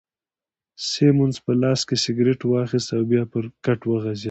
سیمونز په لاس کي سګرېټ واخیست او بیا پر کټ وغځېد.